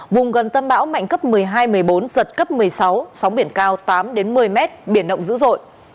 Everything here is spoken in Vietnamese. vùng gần tâm bão mạnh cấp một mươi hai một mươi bốn giật cấp một mươi sáu sóng biển cao tám một mươi mét biển động dữ dội